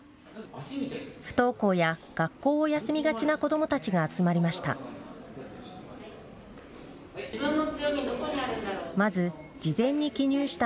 不登校や学校を休みがちな子どもたちが集まりました。